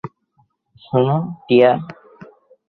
শুনো, টিয়া।